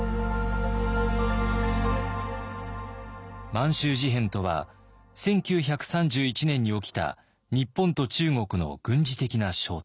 満州事変とは１９３１年に起きた日本と中国の軍事的な衝突。